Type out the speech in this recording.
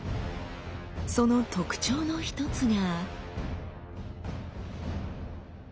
その特徴の１つが。